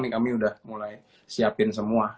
kami udah mulai siapin semua